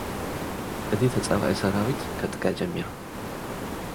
እቲ ተጻባኢ ሰራዊት ከጥቅዕ ጀሚሩ።